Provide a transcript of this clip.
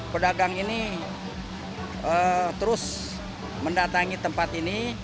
pedagang ini terus mendatangi tempat ini